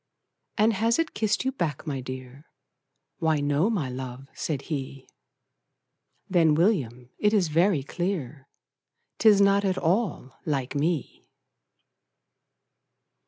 "And has it kissed you back, my dear?" "Why no my love," said he. "Then, William, it is very clear 'Tis not at all LIKE ME!"